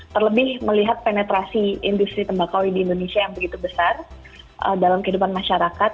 terlebih melihat penetrasi industri tembakau di indonesia yang begitu besar dalam kehidupan masyarakat